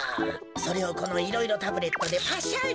それをこのいろいろタブレットでパシャリ。